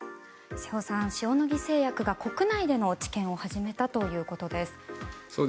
瀬尾さん、塩野義製薬が国内での治験を始めたということです。